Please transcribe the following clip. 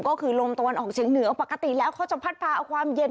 ก็คือลมตะวันออกเฉียงเหนือปกติแล้วเขาจะพัดพาเอาความเย็น